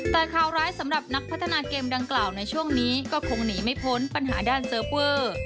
แต่ข่าวร้ายสำหรับนักพัฒนาเกมดังกล่าวในช่วงนี้ก็คงหนีไม่พ้นปัญหาด้านเซิร์ฟเวอร์